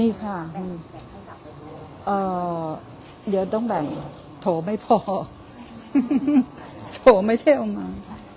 เอาเดี๋ยวต้องแบ่งโถไม่พอโถไม่เท่อมา